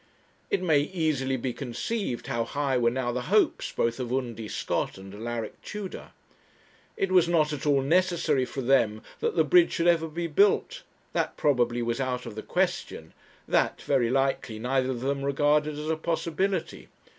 It may easily be conceived how high were now the hopes both of Undy Scott and Alaric Tudor. It was not at all necessary for them that the bridge should ever be built; that, probably, was out of the question; that, very likely, neither of them regarded as a possibility.